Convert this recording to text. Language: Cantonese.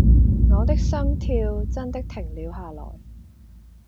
我的心跳真的停了下來